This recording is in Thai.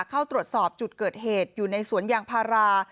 เข้าตรวจสอบจุดเกิดเหตุอยู่ในสวนยางพารา